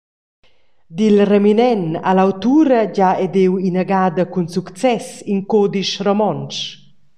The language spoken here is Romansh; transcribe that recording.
Dil reminent ha l’autura gia ediu inagada cun success in cudisch romontsch.